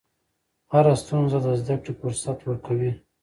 هره ستونزه د زدهکړې فرصت ورکوي.